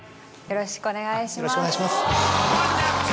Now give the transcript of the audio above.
よろしくお願いします。